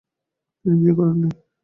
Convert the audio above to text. তিনি বিয়ে করেন নি।